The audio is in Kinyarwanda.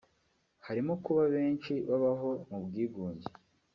harimo kuba benshi babaho mu bwigunge